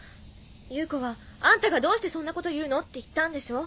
夕子は「あんたがどうしてそんなこと言うの」って言ったんでしょ？